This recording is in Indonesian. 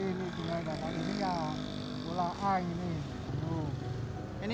ini yang gula ai